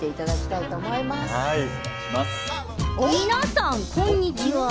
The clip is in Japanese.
皆さん、こんにちは。